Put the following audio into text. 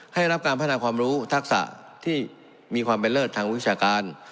ได้รับการพัฒนาความรู้ทักษะที่มีความเป็นเลิศทางวิชาการ